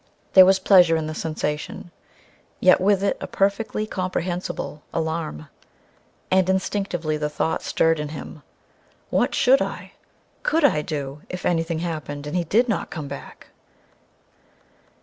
There was pleasure in the sensation, yet with it a perfectly comprehensible alarm. And instinctively the thought stirred in him: "What should I could I, do if anything happened and he did not come back